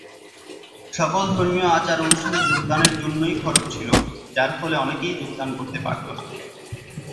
সকল ধর্মীয় আচার-অনুষ্ঠানে যোগদানের জন্যই খরচ ছিল, যার ফলে অনেকেই যোগদান করতে পারত না।